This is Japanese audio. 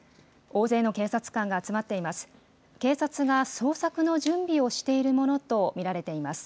大勢の警察官が集まっています。